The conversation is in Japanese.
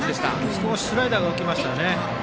少しスライダーが浮きましたね。